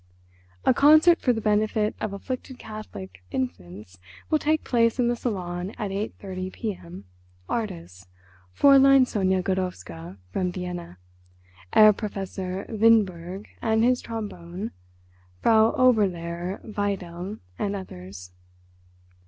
"A concert for the benefit of afflicted Catholic infants will take place in the salon at eight thirty P.M. Artists: Fräulein Sonia Godowska, from Vienna; Herr Professor Windberg and his trombone; Frau Oberlehrer Weidel, and others."